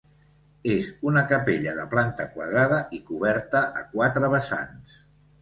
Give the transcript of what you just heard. És una capella de planta quadrada i coberta a quatre vessants.